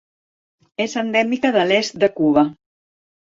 És endèmica de l'est de Cuba.